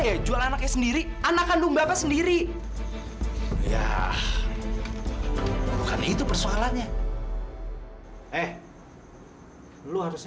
eh jual anaknya sendiri anak kandung bapak sendiri ya bukan itu persoalannya eh lu harusnya